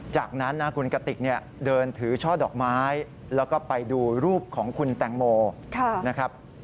จากนั้นนะคุณกติกเนี่ยเดินถือช่อดอกไม้แล้วก็ไปดูรูปของคุณแตงโมนะครับ